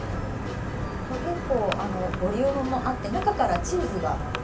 これ結構ボリュームもあって中からチーズが。